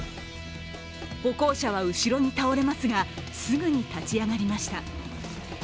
歩行者は後ろに倒れますが、すぐに立ち上がりました。